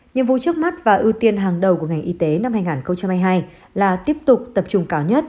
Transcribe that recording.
nhiệm vụ trước mắt và ưu tiên hàng đầu của ngành y tế năm hai nghìn hai mươi hai là tiếp tục tập trung cao nhất